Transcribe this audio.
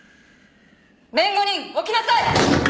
弁護人起きなさい！